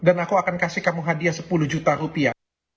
dan aku akan kasih kamu hadiah sepuluh juta rupiah